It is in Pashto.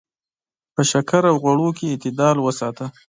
په شکر او غوړو کې اعتدال وساته.